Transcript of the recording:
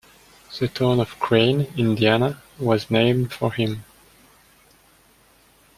The town of Crane, Indiana was named for him.